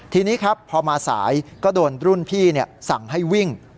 ทีนี้ครับพอมาสายก็โดนรุ่นพี่สั่งให้วิ่ง